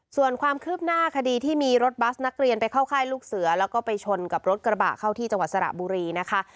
ส่วนความคืบหน้าคดีที่มีรถบัสนักเรียนไปเข้าค่ายลูกเสือแล้วก็ไปชนกับรถกระบะเข้าที่จังหวัดสระบุรีนะคะ